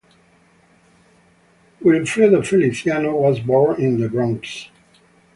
Wilfredo Feliciano was born in the Bronx.